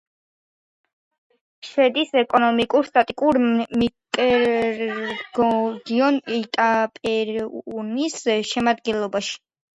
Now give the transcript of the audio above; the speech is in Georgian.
შედის ეკონომიკურ-სტატისტიკურ მიკრორეგიონ იტაპერუანის შემადგენლობაში.